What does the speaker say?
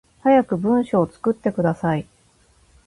早く文章作ってください